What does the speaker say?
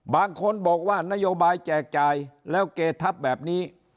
บางคนบอกว่านโยบายแจกจ่ายแล้วเกทับแบบนี้